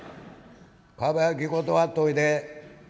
かば焼き断っといで。